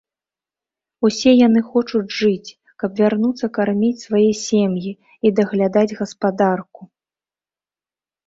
Усе яны хочуць жыць, каб вярнуцца карміць свае сем'і і даглядаць гаспадарку.